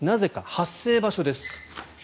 発生場所です。